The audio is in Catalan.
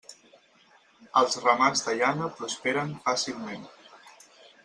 Els ramats de llana prosperen fàcilment.